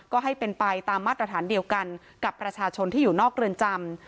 ก็ให้เป็นไปตามมาตรฐานเดียวกันกับประชาชนที่อยู่นอกเรือนจำ